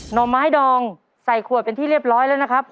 ห่อไม้ดองใส่ขวดเป็นที่เรียบร้อยแล้วนะครับ